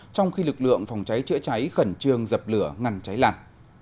trong khi lực lượng phòng cháy chữa cháy khẩn trương dập lửa ngăn cháy lạt